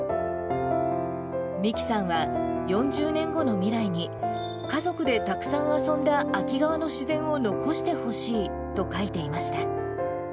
美貴さんは、４０年後の未来に家族でたくさん遊んだ秋川の自然を残してほしいと書いていました。